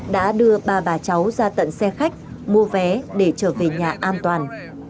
đã đưa ba bà cháu ra tận xe khách mua vé để trở về nhà an toàn